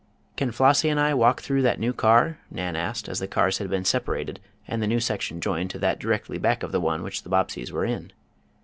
"Can Flossie and I walk through that new car?" Nan asked, as the cars had been separated and the new section joined to that directly back of the one which the Bobbseys were in.